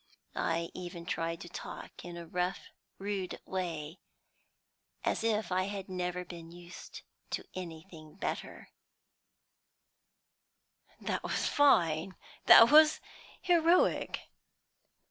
I even tried to talk in a rough rude way, as if I had never been used to anything better " "That was fine, that was heroic!"